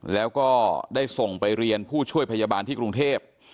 แล้วก็ได้ส่งไปเรียนผู้ช่วยพยาบาลที่กรุงเทพ